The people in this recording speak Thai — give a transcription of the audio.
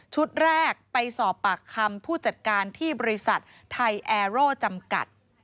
แรกไปสอบปากคำผู้จัดการที่บริษัทไทยแอร์โร่จำกัด